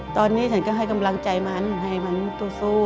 ตอนนี้ฉันก็ให้กำลังใจมันให้มันสู้